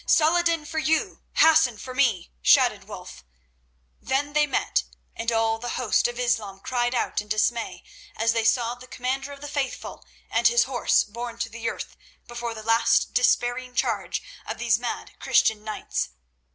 "Saladin for you, Hassan for me," shouted Wulf. Then they met, and all the host of Islam cried out in dismay as they saw the Commander of the Faithful and his horse borne to the earth before the last despairing charge of these mad Christian knights.